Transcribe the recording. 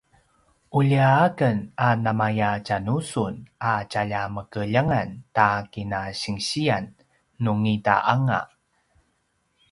ulja aken a namaya tja nu sun a tjalja makeljangan ta kinasinsiyan nungida anga